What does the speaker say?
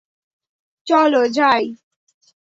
চল, যাই!